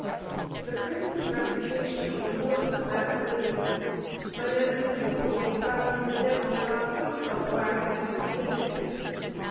] The prison's reputation was worse than that of Libby; but, as usual, we found the devil not quite so black as he was painted.